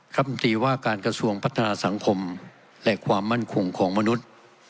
รัฐมนตรีว่าการกระทรวงพัฒนาสังคมและความมั่นคงของมนุษย์